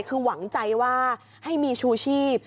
คือหวังใจว่าให้มีชูชีพ